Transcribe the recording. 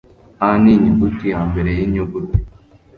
"A" ni inyuguti yambere yinyuguti.